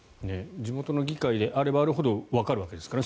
地元の議会であればあるほどわかるわけですからね。